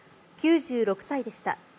９６歳でした。